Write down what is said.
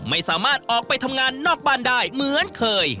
ไม่สามารถออกไปทำงานนอกบ้านได้เหมือนเคย